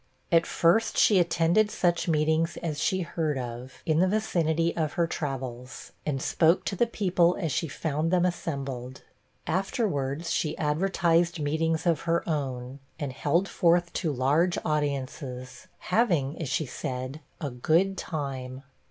At first, she attended such meetings as she heard of, in the vicinity of her travels, and spoke to the people as she found them assembled. Afterwards, she advertised meetings of her own, and held forth to large audiences, having, as she said, 'a good time.'